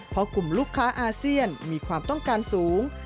เพราะกลุ่มลูกค้าอาเซียนมีความต้องการสูง